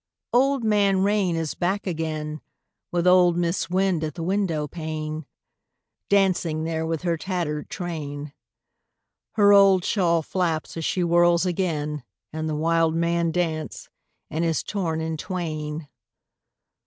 Old Man Rain is back again, With old Mis' Wind at the windowpane, Dancing there with her tattered train: Her old shawl flaps as she whirls again In the wildman dance and is torn in twain.